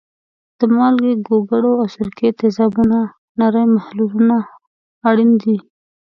د مالګې، ګوګړو او سرکې تیزابونو نری محلولونه اړین دي.